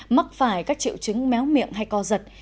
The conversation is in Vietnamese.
mắc phải các triệu chứng méo miệng hay co giật